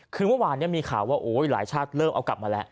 คือเมื่อวานมีข่าวว่าโอ้ยหลายชาติเริ่มเอากลับมาแล้ว